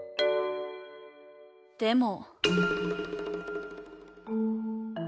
でも。